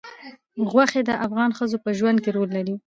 غوښې د افغان ښځو په ژوند کې رول لري.